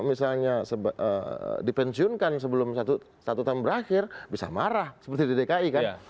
misalnya dipensiunkan sebelum satu tahun berakhir bisa marah seperti di dki kan